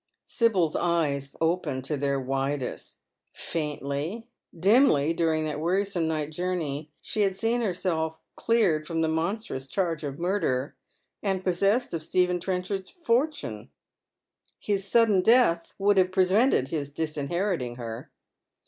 Sibyl's eyes open to their widest Faintly, dimly during that ^ jarisome night jomiiey she had seen herself cleared from the monstrous charge of murder and possessed of Stephen Tren cl'.ard's fortune. His sudden death would have prevented his dis inheriting her.